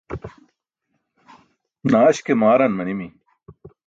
Naaś ke maaran manimi.